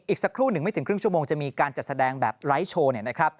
อีกสักครู่หนึ่งไม่ถึงครึ่งชั่วโมงจะมีการจัดแสดงแบบไลค์โชว์